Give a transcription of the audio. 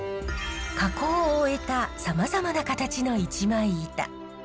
加工を終えたさまざまな形の一枚板。